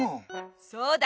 そうだ！